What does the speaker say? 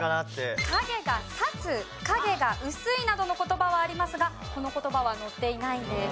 「影が差す」「影が薄い」などの言葉はありますがこの言葉は載っていないんです。